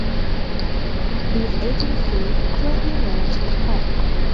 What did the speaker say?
These agencies jointly manage this park.